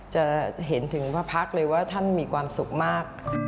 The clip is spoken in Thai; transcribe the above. จะเห็นถึงพระพักษ์เลยว่าท่านมีความสุขมาก